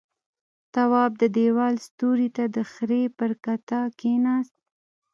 تواب د دېوال سيوري ته د خرې پر کته کېناست.